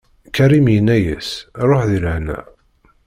Karim yenna-as: Ṛuḥ di lehna.